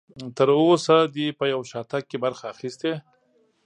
تر اوسه دې په یو شاتګ کې برخه اخیستې؟